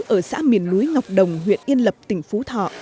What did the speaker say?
ở xã miền núi ngọc đồng huyện yên lập tỉnh phú thọ